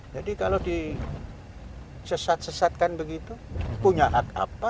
jadi kalau disesat sesatkan begitu punya hak apa